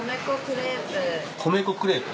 米粉クレープ？